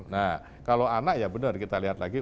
nah kalau anak ya benar kita lihat lagi